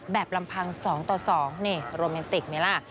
แบบลำพังสองต่อสองนี่โรแมนติกนี่แหละ